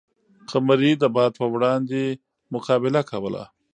قمري د باد په وړاندې مقابله کوله.